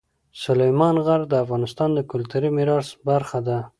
سلیمان غر د افغانستان د کلتوري میراث برخه ده.